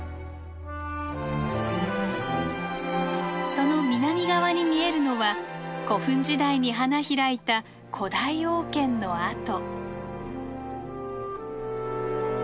その南側に見えるのは古墳時代に花開いた古代王権の跡。